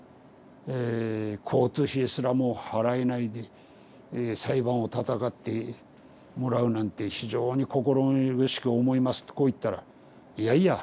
交通費すらも払えないで裁判をたたかってもらうなんて非常に心苦しく思います」ってこう言ったら「いやいや」。